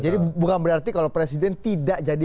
jadi bukan berarti kalau presiden tidak jadi